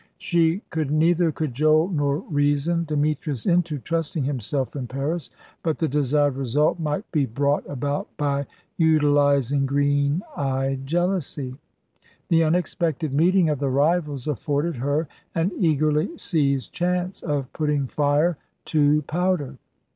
She could neither cajole nor reason Demetrius into trusting himself in Paris: but the desired result might be brought about by utilising green eyed jealousy. The unexpected meeting of the rivals afforded her an eagerly seized chance of putting fire to powder.